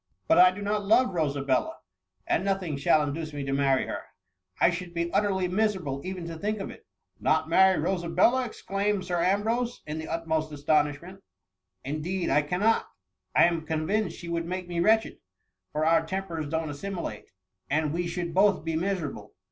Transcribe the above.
*^ But I do not love Rosabella, and nothing shall induce me to marry her : I should be ut terly miserable even to think of it."*^ Not marry Rosabella !*' exclaimed Sir Am brose, in the utmost astonishment. ^^ Indeed, I cannot. I am convinced she would make me wretched, for our tempers don^t assimilate, and we should both be miserable.